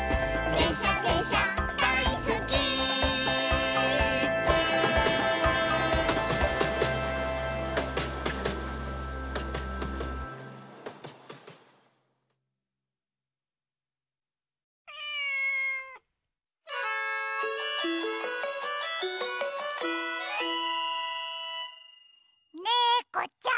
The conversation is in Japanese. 「でんしゃでんしゃだいすっき」・ねこちゃん！